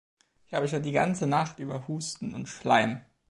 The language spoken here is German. Ich habe schon die ganze Nacht über Husten und Schleim.